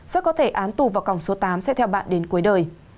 rất có thể án tù vào còng số tám sẽ theo bạn đến cuối đời